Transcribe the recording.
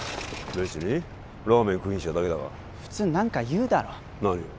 別にラーメン食いに来ただけだが普通何か言うだろ何を？